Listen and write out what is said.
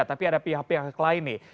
tapi ada pihak pihak lain nih